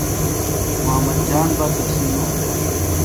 محمد جان بہ تسی نو دےۡ